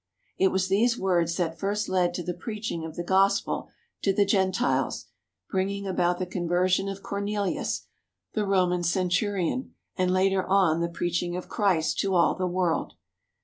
It was these words that first led to the preaching of the Gospel to the Gentiles, bringing about the conversion of Cornelius, the Roman centurion, and later on the preach ing of Christ to all the world.